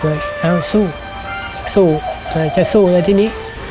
เอาสู้สู้ว่าอยากจะสู้ที่นี่